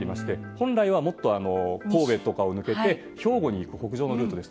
本来はもっと神戸とかを抜けて兵庫に行くルートです。